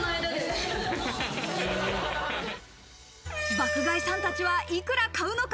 爆買いさんたちはいくら買うのか？